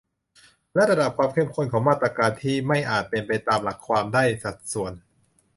และระดับความเข้มข้นของมาตรการ ที่อาจไม่เป็นไปตามหลักความได้สัดส่วน